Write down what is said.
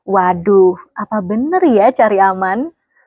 waduh apa bener ya cari aman